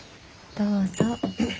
どうぞ。